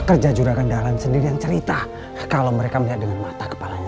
kalau rambia orang orang melihatku mereka pasti akan membunuhku